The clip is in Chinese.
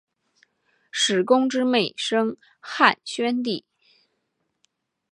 史恭之妹生汉宣帝。